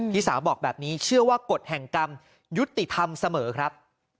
พี่สาวบอกแบบนี้เชื่อว่ากฎแห่งกรรมยุติธรรมเสมอครับ